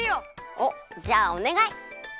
おっじゃあおねがい！